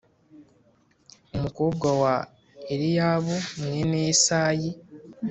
Umukobwa wa Eliyabu mwene Yesayi